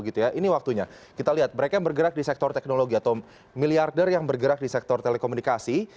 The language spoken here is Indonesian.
ini waktunya kita lihat mereka yang bergerak di sektor teknologi atau miliarder yang bergerak di sektor telekomunikasi